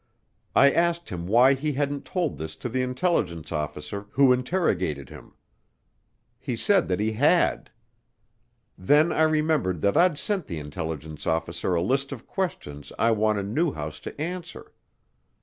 I asked him why he hadn't told this to the intelligence officer who interrogated him. He said that he had. Then I remembered that I'd sent the intelligence officer a list of questions I wanted Newhouse to answer.